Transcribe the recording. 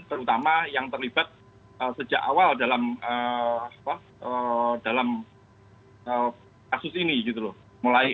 terutama yang terlibat sejak awal dalam kasus ini